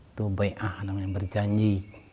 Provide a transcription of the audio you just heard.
itu baik ah namanya berjanji